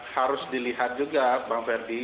harus dilihat juga bang ferdi